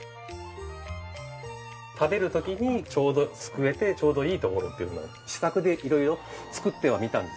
食べる時にちょうどすくえてちょうどいいところっていうのを試作で色々作ってはみたんですよね。